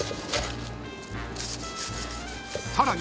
［さらに］